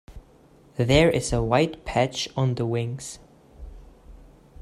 There is a white patch on the wings.